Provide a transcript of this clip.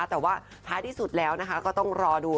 แต่ว่าท้ายที่สุดแล้วก็ต้องรอดู